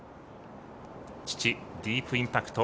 父、ディープインパクト